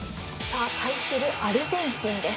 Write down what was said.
対するアルゼンチンです。